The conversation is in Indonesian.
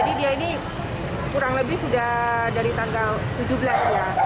jadi dia ini kurang lebih sudah dari tanggal tujuh belas ya